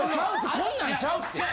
こんなんちゃうって。